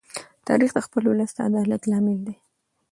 تاریخ د خپل ولس د عدالت لامل دی.